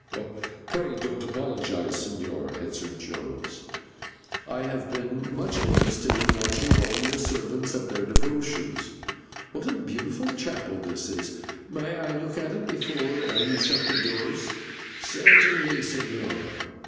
"Pray don't apologise, señor," answered Jones; "I have been much interested in watching all your servants at their devotions. What a beautiful chapel this is! May I look at it before you shut the doors?" "Certainly, señor.